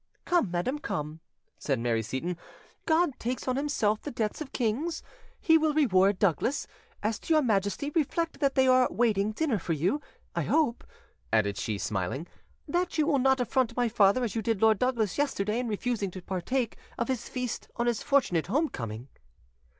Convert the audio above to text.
"Come, madam, come," said Mary Seyton, "God takes on Himself the debts of kings; He will reward Douglas. As to your Majesty, reflect that they are waiting dinner for you. I hope," added she, smiling, "that you will not affront my father as you did Lord Douglas yesterday in refusing to partake of his feast on his fortunate home coming."